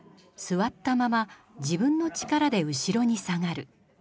座ったまま自分の力で後ろに下がる。